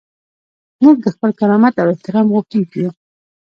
موږ د خپل کرامت او احترام غوښتونکي یو.